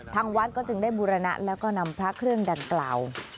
ทางวัดก็จึงได้บูรณะแล้วก็นำพระเครื่องดังกล่าว